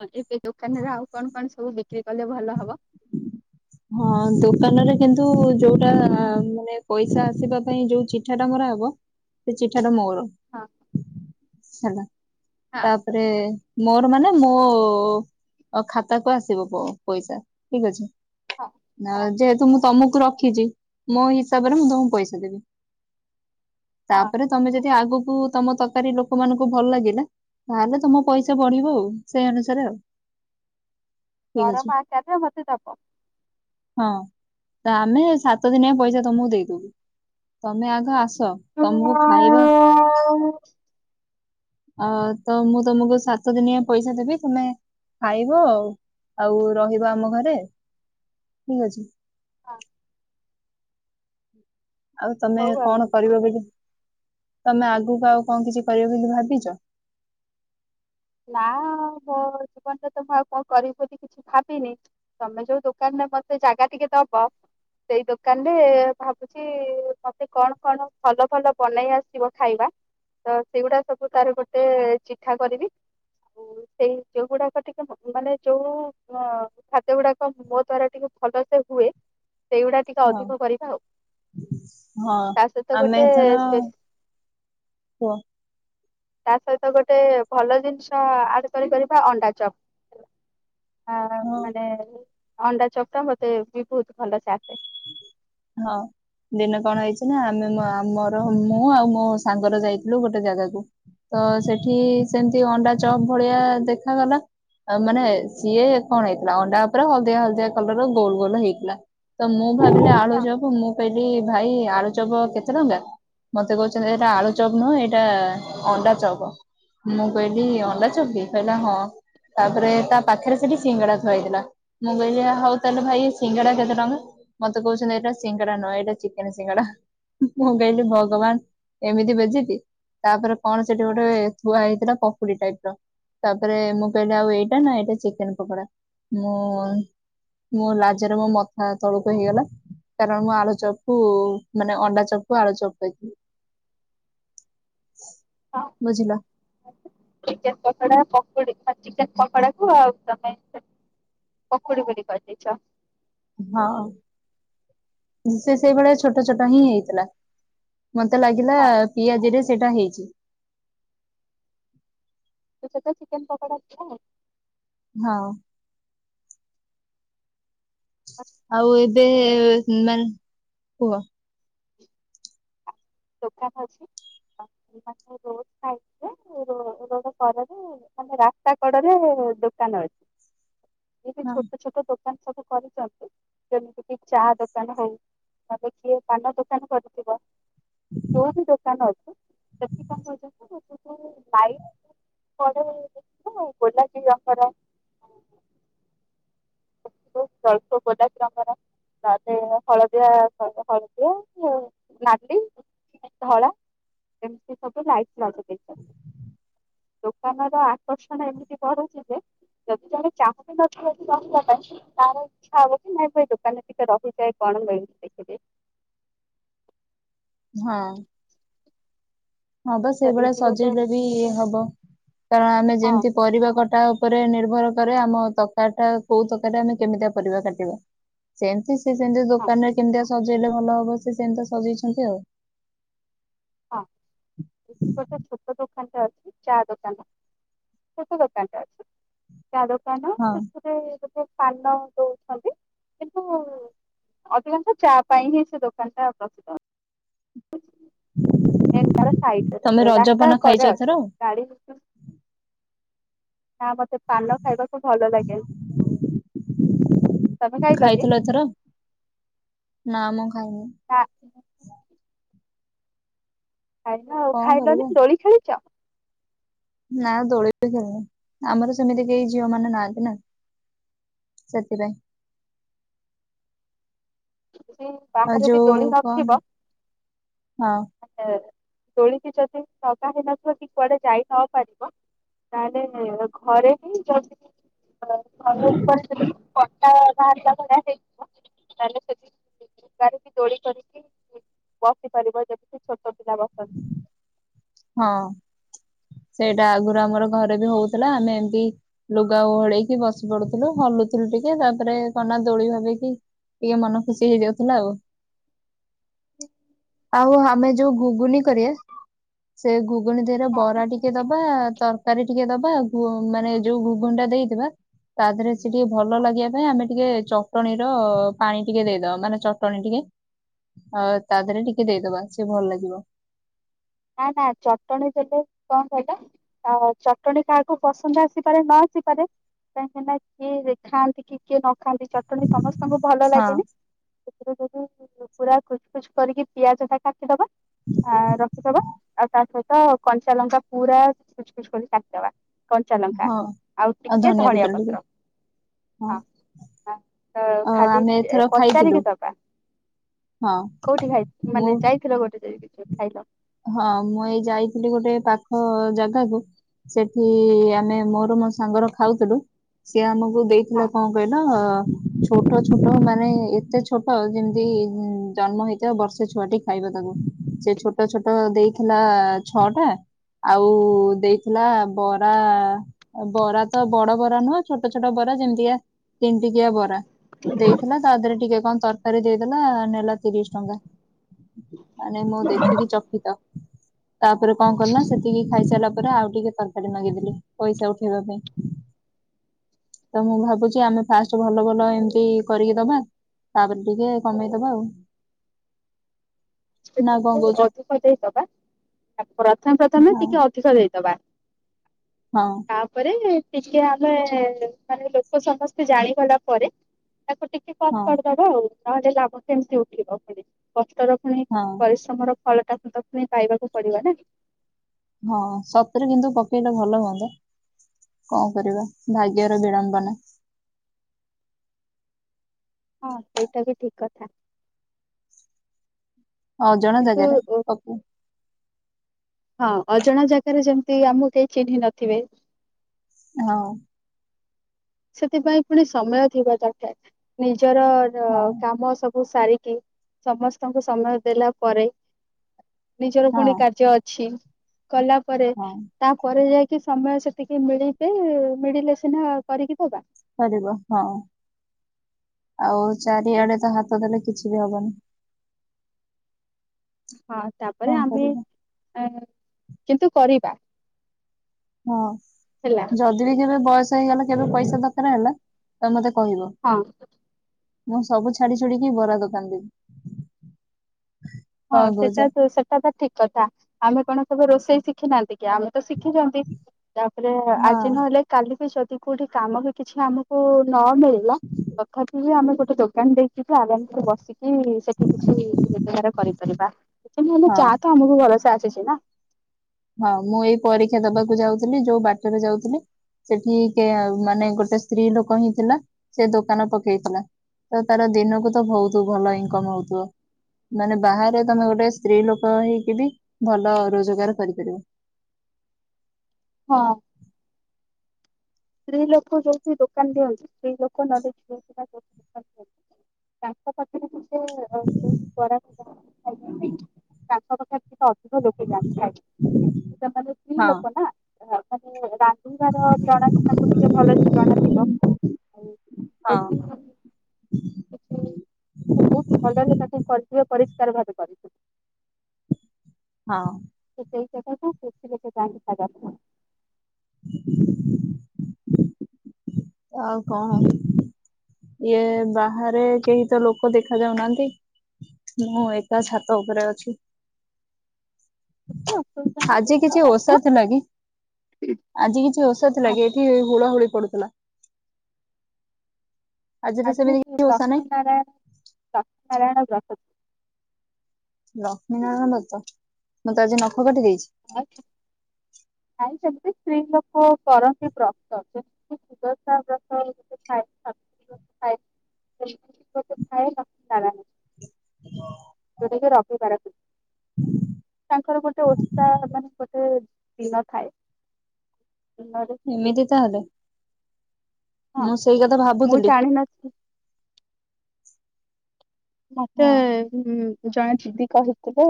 [unintelligible] ଦୋକାନରେ ଆଉ କଣ କଣ ସବୁ ବିକ୍ରି କଲେ ଭଲ ହବ? ହଁ ଦୋକାନରେ କିନ୍ତୁ ଯୋଉଟା ମାନେ ପଇସା ଆସିବା ପାଇଁ ଯୋଉ ଚି ଚିଠା ଟା ମରା ହବ ସେ ଚିଠା ଟା ମୋର। ହଁ ହେଲା ତା ହଁ। ପରେ ମୋର ମାନେ ମୋ ଆଉ ଖାତାକୁ ଆସିବ ପ -ପଇସା ଠିକ୍ ଅଛି? ହଁ ଆ ହଁ ଯେହେତୁ ମୁଁ ତମକୁ ରଖିଛି ମୋ ହିସାବରେ ମୁଁ ତମକୁ ପଇସା ଦେବି। ହଁ ତାପରେ ତମେ ଯଦି ଆଗକୁ ତମ ତରକାରୀ ଲୋକ ମାନଙ୍କୁ ଭଲ ଲାଗିଲା ତାହେଲେ ତମ ପଇସା ବଢ଼ିବ ଆଉ, ସେଇ ଅନୁସାରେ ଆଉ। ଠିକ ଅଛି ଦରମା ଆସ୍ତେ ଆସ୍ତେ ମୋତେ ଦବ। ହଁ ତ ଆମେ ସାତ ଦିନିଆ ପଇସା ତମକୁ ଦେଇଦବୁ ତମେ ଆଗ ଆସ ହଁ ତମକୁ ଖାଇବା ଅ ତ ମୁଁ ତମକୁ ସାତ ଦିନିଆ ପଇସା ଦେବି ତମେ ଖାଇବ ଆଉ ରହିବ ଆମ ଘରେ? ଠିକ୍ ଅଛି? ହଁ। ଆଉ ତମେ ହଉ ଆଉ କଣ କରିବ ବୋଲି, ତମେ ଆଗକୁ ଆଉ କଣ କିଛି କରିବ ବୋଲି ଭାବିଛ? ନା ମୋ ଜୀବନରେ ତ ମୁଁ ଆଉ କଣ କରିବି ବୋଲି କିଛି ଭାବିନି। ତମେ ଯୋଉ ଦୋକାନରେ ମତେ ଜାଗା ଟିକେ ଦବ ସେଇ ଦୋକାନ ରେ ଭାବୁ ଛି ମତେ କଣ କଣ ଭଲ ଭଲ ବନେଇ ଆସିବ ଖାଇବା ତ ସେଗୁଡା ସବୁ ତାର ଗୋଟେ ଚିଠା କରିବି ସେଇ ଯୋଉ ଗୁଡାକ ଟିକେ ମାନେ ଯୋଉ? ହ ଖାଦ୍ୟ ଗୁଡାକ ମୋ ଦ୍ଵାରା ଟିକେ ଭଲସେ ହୁଏ ସେଇଗୁଡା ଟିକେ ହଁ ଅଧିକ କରିବା ଆଉ ହଁ ତା ସହିତ ଆମେ ଗୋଟେ ଏଥର କୁହ? ତା ସହିତ ଗୋଟେ ଭଲ ଜିନିଷ ଆଡ୍ କରି ପାରିବା ଅଣ୍ଡା ଚପ୍। ଆ ହଁ ମାନେ ଅଣ୍ଡା ଚପ୍ ଟା ମତେ ବି ବହୁତ୍ ଭଲସେ ଆସେ। ହଁ। ଦିନ କଣ ହେଇଛି ନା ଆମେ ମ-ଆମର ମୁଁ ଆଉ ମୋ ସାଙ୍ଗର ଯାଇଥିଲୁ ଗୋଟେ ଜାଗାକୁ ତ ସେଠି ସେମିତି ଅଣ୍ଡା ଚପ୍ ଭଳିଆ ଦେଖାଗଲା ମାନେ ସିଏ କଣ ହେଇଥିଲା ଅଣ୍ଡା ଉପରେ ହଳଦିଆ ହଳଦିଆ କଲର୍ ଗୋଲ ଗୋଲ ହେଇଥିଲା ତ ମୁଁ ଭାବିଲି ଆଳୁଚପ୍ ମୁଁ କହିଲି ଭାଇ ଆଳୁଚପ୍ କେତେ ଟଙ୍କା? ମତେ କହୁଛନ୍ତି ଏଇଟା ଆଳୁଚପ୍ ନୁହଁ ଏଇଟା ଅଣ୍ଡାଚପ୍। ମୁଁ କହିଲି ଅଣ୍ଡା ଚପ୍ କହିଲା ହଁ? ତାପରେ ତା ପାଖରେ ସେଠି ସିଙ୍ଗଡ଼ା ଥୁଆହେଇଥିଲା। ମୁଁ କହିଲି ହଉ ତାହେଲେ ଭାଇ ସିଙ୍ଗଡା କେତେ ଟଙ୍କା? ମତେ କହୁଛନ୍ତି ଏଇଟା ସିଙ୍ଗଡ଼ା ନୁହେଁ ଏଟା ଚିକେନ୍ ସିଙ୍ଗଡା। ମୁଁ କହିଲି ଭଗବାନ୍ ଏମିତି ବେଜିତ୍। ତାପରେ କଣ ସେଠି ଗୋଟେ ଥୁଆ ହେଇଥିଲା ପକୁଡ଼ି ଟାଇପ୍ ର? ତାପରେ ମୁଁ କହିଲି ଆଉ ଏଇଟା ନା ଏଇଟା ଚିକେନ୍ ପକୋଡା ମୁଁ ମୁଁ ଲାଜରେ ମୋ ମଥା ତଳକୁ ହେଇଗଲା। କାରଣ ମୁଁ ଆଳୁ ଚପ୍ କୁ ମାନେ ଅଣ୍ଡା ଚପ୍ କୁ ଆଳୁ ଚପ୍ କହିଥିଲି। ବୁଝିଲ? ଚିକେନ ପକୋଡା ପୋକୁଡ଼ି ଚିକେନ ପକୋଡା କୁ ଆଉ ତମେ ପକୁଡ଼ି ବୋଲି କହିଦେଇଛ। ହଁ ସେ ସେଇଭଳିଆ ଛୋଟ ଛୋଟ ହିଁ ହେଇଥିଲା। ମତେ ଲାଗିଲା ହଁ ପିଆଜି ରେ ସେଇଟା ହେଇଛି। ତ ସେ ତ ଚିକେନ ପକୋଡା ଥିଲା। ହଁ ଆଉ ଏବେ ମାନେ କୁହ। ଦୋକାନ ଅଛି [unintelligible] ରୋଡରେ ମାନେ ରାସ୍ତା କଡରେ ଦୋକାନ ଅଛି। ଏବେ ହଁ। ଛୋଟ ଛୋଟ ଦୋକାନ ସବୁ କରିଛନ୍ତି। ଯେମିତି କି ଚା ଦୋକାନ ହଉ ନହେଲେ କିଏ ପାନ ଦୋକାନ କରିଥିବ। ଯୋଉ ବି ଦୋକାନ ଅଛି ସେ ଗୋଲାପୀ [unintelligible] ସ୍ୱଳ୍ପ ଗୋଲାପୀ ରଙ୍ଗର [unintelligible] ତା ହଳଦିଆ ହଳଦିଆ ନାଲି ଧଳା ଏମିତି ସବୁ ଲାଇଟ ଲଗାଇ ଦେଇଛନ୍ତି। ଦୋକାନ ର ଆକର୍ଷଣ ଏମିତି ବଢୁଛି ଯେ ଯଦି ଜଣେ ଚାହୁଁ ନଥିବ ତାର ଇଚ୍ଛା ହବ କି ନାଇଁ ଭ ଦୋକାନରେ ଟିକେ ରହିଯାଇ କଣ ମିଳୁଛି ଦେଖିଦିଏ। ହଁ ହଁ ବା ତ ସେଇଭଳିଆ ଏଇଠି ଗୋଟେ ସଜେଇଲେ ବି ହବ କାରଣ ଆମେ ହଁ ଯେମିତି ପରିବା କଟା ଉପରେ ନିର୍ଭର କରେ ଆମ ତରକାରଟା କେଉଁ ତରକାରାରେ ଆମେ କେମିତିଆ ପରିବା କାଟିବା। ସେମତି ସି ସେମିତି ହଁ ଦୋକାନ ରେ କେମିତିଆ ସଜେଇଲେ ଭଲ ହବ ସି ସେମିତି ସଜେଇଛନ୍ତି ଆଉ। ହଁ ଗୋଟେ ଛୋଟ ଦୋକାନ ଟା ଅଛି। ଚା ଦୋକାନ ଛୋଟ ଦୋକାନ ତ ଅଛି ଚା ଦୋକାନ। ହଁ ରେ ଗୋଟେ ପାନ ଦଉଛନ୍ତି କିନ୍ତୁ ଅଧିକାଂଶ ଚା ପାଇଁ ହିଁ ସେ ଦୋକାନ ଟା ପ୍ରସିଦ୍ଧ। ତ ତମେ ସ ରାସ୍ତା ରଜପାନ ଖାଇଛ କଡେ ଏଥର? ଅଛି ଗାଡି [unintelligible] ନା ମତେ ପାନ ଖାଇବାକୁ ଭଲ ଲାଗେନି। ତମେ ଖାଇଲ କି ଖାଇଥିଲ ଏଥର ନା ମୁଁ ଖାଇନି। ହଁ ଖାଇଲ ଆଉ କଣ ଖାଇଲନି କରିବା ଦୋଳି ଖେଳିଛ? ନା ଦୋଳି ବି ଖେଳିନି ଆମର ସେମିତି କେହି ଝିଅ ମାନେ ନାହାନ୍ତି ନା। ସେଥିପାଇଁ ଯେ ଆଉ ବାହାରେ ବି ଯୋଉ ଦୋଳି କଣ ନଥିବ ହଁ ଆ ଦୋଳିକି ଯଦି ସଜା ହେଇନଥିବ ଟିକ କୁଆଡେ ଯାଇ ନ ପାରିବ ତାହେଲେ ଘରେ ହି ଯଲଦି [unintelligible] ତାହେଲେ ଗାଡ଼ିକି ଦୋଳି କରିକି ବସି ପାରିବ ଯେମିିତିଛୋଟ ପିଲା ବସନ୍ତି। ହଁ ସେଇଟା ଆଗରୁ ଆମର ଘରେ ବି ହଉଥିଲା ଆମେ ଏମତି ଲୁଗା ଓହଳେଇକି ବସି ପଡୁଥିଲୁ ହଲୁଥିଲୁ ଟିକେ ତାପରେ କନା ଦୋଳି ଭାବିକି ଟିକେ ମନ ଖୁସି ହେଇଯାଉଥିଲା ଆଉ। ଆଉ ଆମେ ବସନ୍ତି। ଯୋଉ ଗୁଗୁନୀ କରିଆ ସେ ଗୁଗୁନି ଦିର ଟିକେ ଦବା ତରକାରୀ ଟିକେ ଦବା ଗୁ ମାନେ ଯୋଉ ଗୁଗୁନୀ ଦେଇଥିବା। ତା ଦେହରେ ସେ ଟିକେ ଭଲ ଲାଗିବା ପାଇଁ ଆମେ ଟିକେ ଚଟଣି ର ପାଣି ଟିକେ ଦେଇଦେବ ମାନେ ଚଟଣି ଟିକେ ଅ ତା ଦେହରେ ଟିକେ ଦେଇଦବା ସିଏ ଭଲ ଲାଗିବ। ନା ନା ଚଟଣୀ ଦେଲେ କଣ କହିଲ? ଆ ଚଟଣି କାହାକୁ ପସନ୍ଦ ଆସିପାରେ ନ ଆସିପାରେ କାହିଁକିନା କିଏ ଖାଆନ୍ତି କି କିଏ ନ ଖାଆନ୍ତି ଚଟଣୀ ସମସ୍ତଙ୍କୁ ଭଲ ହଁ ଲାଗେନି। ଯୋଉତାକୁ ପୁରା ଖୁଚ୍ ଖୁଚ କରିକି ପିଆଜ ଟା କାଟିଦବା ଆ ରଖିଦବା। ଆଉ ତା ସହିତ କଞ୍ଚା ଲଙ୍କା ପୁରା ଖୁଚ ଖୁଚ କରି କାଟିଦବା। କଞ୍ଚା ଲଙ୍କା ହଁ ଆଉ ଟିକେ ଧଣିଆ ପତ୍ର ହଁ। ଖାଲି ଆମେ ଏଥର ଖାଇଥିଲୁ ପଚାରିକି ଦବା। ହଁ କୋଉଠି ଖାଇ ମାନେ ମୁଁ ଯାଇଥିଲ ଗୋଟେ ଯ କି ଖାଇଲ। ହଁ ମୁଁ ଏଇ ଯାଇଥିଲି ଗୋଟେ ପାଖ ଜାଗାକୁ। ସେଠି ଆମେ ମୋର ମୋ ସାଙ୍ଗର ଖାଉଥିଲୁ। ସିଏ ଆମ କୁ ଦେଇଥିଲା ହଁ କଣ କହିଲ। ଛୋଟ ଛୋଟ ମାନେ ଏତେ ଛୋଟ ଯେମିତି ଜନ୍ମ ହେଇଥିବ ବର୍ଷେ ଛୁଆ ଟ ଖାଇବା ତାକୁ ସେ ଛୋଟ ଛୋଟ ଦେଇଥିଲା ଛଅ ଟା ଆଉ ଦେଇଥିଲା ବରା ବରା ତ ବଡ ବରା ନୁହଁ ଛୋଟ ଛୋଟ ବରା ଯେମିତିକା ତିନି ଟିକିଆ ବରା। ଦେଇଥିଲା ତା ଦେହରେ ଟିକେ କଣ ତରକାରୀ ଦେଇଦଲା ନେଲା ତିରିଶ ଟଙ୍କା। ମାନେ ମୁଁ ଦେଖିକି ଚକିତ। ତାପରେ କଣ କଲୁନା ସେତିକି ଖାଇସାରିଲା ପରେ ଆଉ ଟିକେ ତର କାରି ମାଗିଦେଲି ପଇସା ଉଠେଇବା ପାଇଁ। ତ ମୁଁ ଭାବୁଛି ଆମେ ଫାଷ୍ଟ ଭଲ ଭଲ ଏମିତି କରିକି ଦବା। ତାପରେ ଟିକେ କମେଇଦବା ଆଉ। ନା କଣ ଟିକେ କହୁଛ ଅଧିକ ଦେଇଦବା ତା ପ୍ରଥମେ ପ୍ରଥମେ ହଁ ଟିକେ ଅଧିକ ଦେଇଦବା। ହଁ। ତାପରେ ଟିକେ ଆମେ ମାନେ ଲୋକ ସମସ୍ତେ ଜାଣିଗଲା ପରେ ତାକୁ ଟି କେ କମ୍ ହଁ କରିଦବା ଆଉ ନହେଲେ ଲାଭ କେମିତି ଉଠିବ ପୁଣି କଷ୍ଟର ପୁଣି ହଁ ପରିଶ୍ରମର ଫଳଟା ସେ ତାକୁ ପାଇବାକୁ ପଡିବ ନା। ହଁ ସତରେ କିନ୍ତୁ ପକେଇଲେ ଭଲ ହୁଅନ୍ତା। କଣ କରିବା ଭାଗ୍ୟର ବିଡ଼ମ୍ବନା। ହଁ ସେଇଟା ବି ଠିକ କଥା। ଅଜଣା କିନ୍ତୁ ଜାଗାରେ ପକ ହଁ ଅଜଣା ଜାଗାରେ ଯେମତି ଆମକୁ କେହି ଚିହ୍ନି ନଥିବେ। ହଁ। ସେଥିପାଇଁ ପୁଣି ସମୟ ଥିବା ଦରକାର। ନିଜର ହଁ କାମ ସବୁ ସାରିକି। ସମସ୍ତଙ୍କୁ ସମୟ ଦେଲା ପରେ ନିଜର ହଁ ପୁଣି କାର୍ଯ୍ୟ ଅଛି। କଲା ପରେ, ହଁ ତାପରେ ଯାଇକି ସମୟ ସେତିିକି ମିଳିବେ ମିଳିଲେ ସିନା କରିକି ଦବା। କରିବ ହଁ, ଆଉ ଚାରିଆଡେ ତ ହାତ ଦେଲେ କିଛି ବି ହବନି। ହଁ ତାପରେ କଣ ଆମେ କରିବା ଏ କିନ୍ତୁ କରିବା। ହଁ ହେଲା ଯଦି ବି କେବେ ବୟସ ହେଇଗଲା କେବେ ପଇସା ଦରକାର ହେଲା, ତମେ ମତେ କହିବ। ହଁ। ମୁଁ ସବୁ ଛାଡି ଛୁଡିକି ବରା ଦୋକାନ ଦେବି। ହଁ କଣ ସେଟା କହୁଛ ତ ସେଟା ତ ଠିକ କଥା। ଆମେ କଣ ସବୁ ରୋଷେଇ ଶିଖି ନାହାନ୍ତି କି ଆମେ ତ ଶିଖିଛନ୍ତି, ତାପରେ ହଁ ଆଜି ନହେଲେ କାଲି ବି ଯଦି କୋଉଠି କାମ ବି କିଛି ଆମ କୁ ନ ମିଳିଲା, ତଥାପି ବି ଆମେ ଗୋଟେ ଦୋକାନ ଦେଇକ ଟିକେ ଆରାମରେ ବସିକି ସେଠି କିଛି ରୋଜଗାର କରିପାରିବା। ନହେଲେ ହଁ ଚା ତ ଆମକୁ ଭଲସେ ଆସିଛି ନା। ହଁ ମୁଁ ଏଇ ପରୀକ୍ଷା ଦବାକୁ ଯାଉଥିଲି, ଯୋଉ ବାଟରେ ଯାଉଥିଲି। ସେଠି କେ ମାନେ ଗୋଟେ ସ୍ତ୍ରୀ ଲୋକ ହିଁ ଥିଲା, ସେ ଦୋକାନ ପକେଇଥିଲା। ତ ତାର ଦିନକୁ ତ ବହୁତ ଭଲ ଇନକମ ହଉଥିବ। ମାନେ ବାହାରେ ତମେ ଗୋଟେ ସ୍ତ୍ରୀ ଲୋକ ହେଇକି ବି, ଭଲ ରୋଜଗାର କରିପାରିବ। ହଁ। ସ୍ତ୍ରୀ ଲୋକ ଯୋଉଠି ଦୋକାନ ଦିଅନ୍ତି କେହିଲୋକ [unintelligible] ତାଙ୍କ ପାଖରେ କି ସେ ଯୋଉ ଗରାଖ ଥାନ୍ତି [unintelligible] ତାଙ୍କ ପାଖେରେ ଅଧିକ ଲୋକେଯାନ୍ତି ଥାଏ ସେଟା ମାନେ ସ୍ତ୍ରୀ ହଁ ଲୋକ ନା ମାନେ ରାନ୍ଧିବାର ଜଣା ଟିକେ ଭଲସେ ଜଣାଥିବ, ଆଉ ହଁ ଦେଖ ସେଠି ବହୁତ ଭଲରେ ତାକୁ କରିଥିବେ ପରିଷ୍କାର ଭାବେ କରିଥିବେ। ହଁ। ସେଇ ଜାଗାକୁ କେତେ ଲୋକ ଜାନ୍ତି ଖାଇବାକୁ। ଆଉ କଣ? ଇଏ ବାହାରେ କେହି ତ ଲୋକ ଦେଖା ଯାଉନାହାନ୍ତି। ମୁଁ ଏକା ଛାତ ଉପରେ ଅଛି। କିଛି ଅସୁବିଧା ନାହିଁ। ଆଜି କିଛି ଖରାଦିନ ଓସାଥିଲା କିି? ଆଜି କିଛି ଓସାଥିଲାକି? ଏଠି ହୁଳା ହୁଳି ପଡୁଥିଲା। ତ ଆଜି ସେମିତି କିଛି ଓଷା ନାହିଁ ଲକ୍ଷ୍ମୀ ନାରାୟଣ ଲକ୍ଷ୍ମୀ ନାରାୟଣ ବ୍ରତ। ଲକ୍ଷ୍ମୀ ନାରାୟଣ ବ୍ରତ, ମୁଁ ତ ଆଜି ନଖ କାଟି ଦେଇଛି। ଆ ଖେ ନାଇଁ ସେମିତି ସ୍ତ୍ରୀ ଲୋକ କରନ୍ତି ବ୍ରତ, ଯେମତିକି ସୁଦଶା ବ୍ରତ। [unintelligible] [inaudible] ଯୋଉଟା କି ରବିବାର। [unintelligible] ତାଙ୍କର ଗୋଟେ ଓଷା ମାନେ ଗୋଟେ ଦିନ ଥାଏ ଦିନ ରେ ସିଏ ଏମିତି ତାହେଲେ ମୁଁ ସେଇ କଥା ମୁଁ ଭାବୁଥିଲି। ଜାଣିନଥିଲି ମତେ ହଁ ଜଣେ ଦିଦି କହିଥିଲେ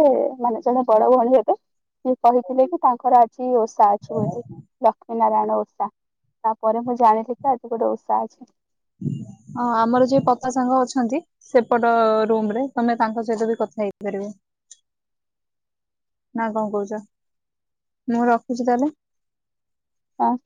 ମାନେ ଜଣେ ବଡ ଭଉଣୀ ହେବେ। ସିଏ କହିଥିଲେ କି ତାଙ୍କର ଆଜି ଓଷା ଅଛି ବୋଲି, ଲକ୍ଷ୍ମୀ ନାରାୟଣ ଓଷା ତାପରେ ମୁଁ ଜାଣିଲି କି ଆଜି ଏ ଗୋଟେ ଉଷା ଅଛି। ହଁ ଆମର ଯେ ପତା ସାଙ୍ଗ ଅଛନ୍ତି। ସେପଟ ରୁମରେ ତମେ ତାଙ୍କ ସହିତ ବି କଥା ହେଇପାରିବ। ନା କଣ କହୁଚ ମୁଁ ରଖୁଚି ତାହେଲେ? ଅଁ।